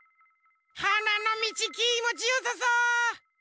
はなのみちきもちよさそう！